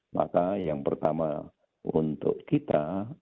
maka yang pertama untuk kita